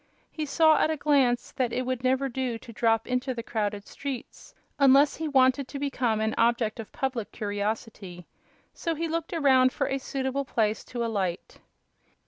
He saw at a glance that it would never do to drop into the crowded streets, unless he wanted to become an object of public curiosity; so he looked around for a suitable place to alight.